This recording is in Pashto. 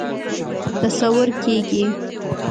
تصور کېږي.